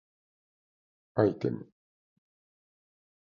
アイテム